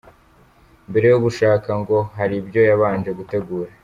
Mbere yo gushaka ngo hari ibyo yabanje gutegura.